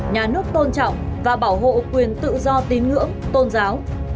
nhà nước tôn trọng và bảo hộ quyền tự do tín ngưỡng tôn giáo